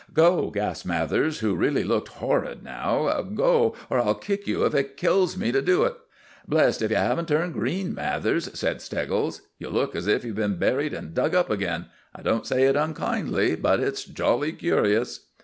"Go!" gasped Mathers, who really looked horrid now; "go! or I'll kick you, if it kills me to do it." "Blessed if you haven't turned green, Mathers," said Steggles. "You look as if you'd been buried and dug up again. I don't say it unkindly, but it's jolly curious."